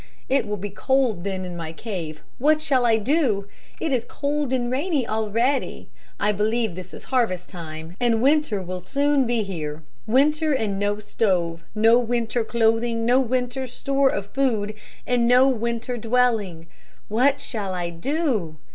It will be cold then in my cave; what shall I do? It is cold and rainy already. I believe this is harvest time and winter will soon be here. Winter and no stove, no winter clothing, no winter store of food and no winter dwelling. What shall I do?"